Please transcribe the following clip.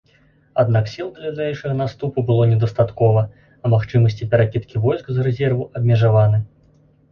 Аднак сіл для далейшага наступу было недастаткова, а магчымасці перакідкі войск з рэзерву абмежаваны.